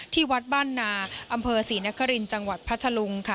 ที่วัดบ้านนาอำเภอศรีนครินทร์จังหวัดพัทธลุงค่ะ